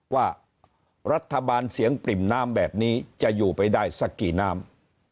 ว่ารัฐบาลเสียงปริ่มน้ำแบบนี้จะอยู่ไปได้สักกี่น้ำ